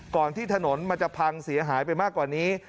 ที่ถนนมันจะพังเสียหายไปมากกว่านี้